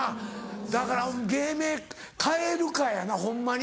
だから芸名変えるかやなホンマに。